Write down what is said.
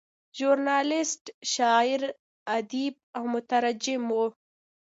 ژورنالیسټ، شاعر، ادیب او مترجم و.